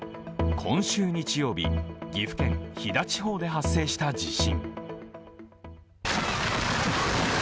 今週日曜日、岐阜県飛騨地方で発生した地震。